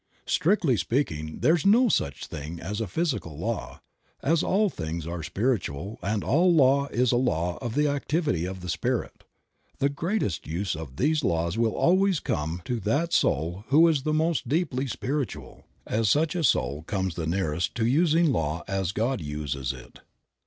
Strictly speaking there is no such a thing as a physical law, as all things are spiritual and all law is a law of the activity of the Spirit. The greatest use of these laws will always come to that soul who is the most deeply spiritual, as such an one comes the nearest to using law as God uses it.